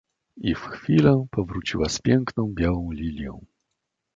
"I w chwilę powróciła z piękną, białą lilią."